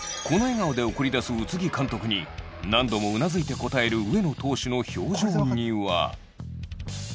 この笑顔で送り出す宇津木監督に何度もうなずいて応える上野投手の表情には。